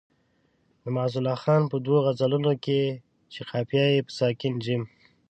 د معزالله خان په دوو غزلونو کې چې قافیه یې په ساکن جیم.